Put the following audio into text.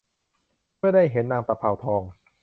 เมื่อได้เห็นนางตะเภาทอง